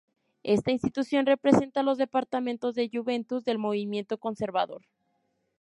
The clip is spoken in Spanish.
Esta institución representa a los Departamentos de Juventud del movimiento conservador.